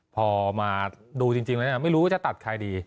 พอมาดูจริงแล้วไม่รู้ว่าจะตัดใครดี